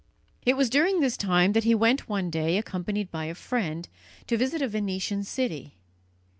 It was during this time that he went one day, accompanied by a friend, to visit a Venetian city.